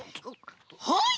はい！